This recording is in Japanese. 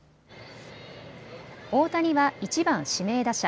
大谷は１番・指名打者。